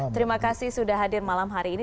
terima kasih sudah hadir malam hari ini